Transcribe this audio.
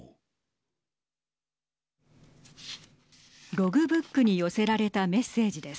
ログブックに寄せられたメッセージです。